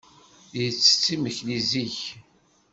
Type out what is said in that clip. Yettett imekli zik.